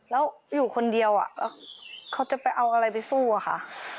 แล้วอยู่คนเดียวเขาจะไปเอาอะไรไปสู้อะค่ะ